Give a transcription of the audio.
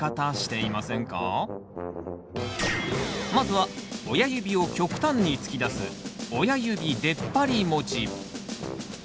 まずは親指を極端に突き出す「親指でっぱり持ち」。